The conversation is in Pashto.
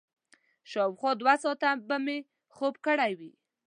شاوخوا دوه ساعته به مې خوب کړی وي.